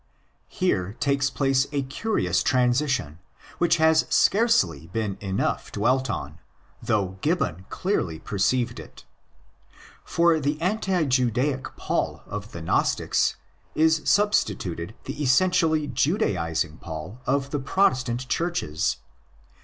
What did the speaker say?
Here takes place a curious transition, which has scarcely been enough dwelt on, though Gibbon clearly perceived it. For the anti Judaic Paul of the Gnostics is substituted the essentially Judaising Paul of the Protestant Churches.